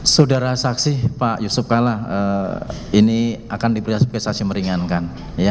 sudara saksi pak yusuf kala ini akan diberi saksi meringankan